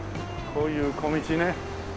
こういう小道ね。